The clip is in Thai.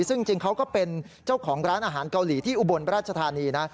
ซึ่งจริงเขาก็เป็นเจ้าของร้านอาหารเกาหลีที่อุบลราชธานีนะ